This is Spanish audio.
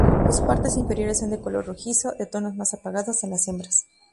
Sus partes inferiores son de color rojizo, de tonos más apagados en las hembras.